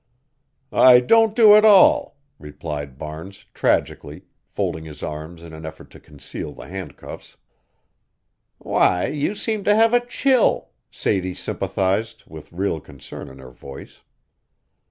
"I don't do at all," replied Barnes, tragically, folding his arms in an effort to conceal the handcuffs. "Why, you seem to have a chill," Sadie sympathized, with real concern in her voice.